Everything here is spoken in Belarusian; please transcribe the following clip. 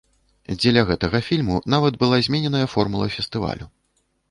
Дзеля гэтага фільму нават была змененая формула фестывалю.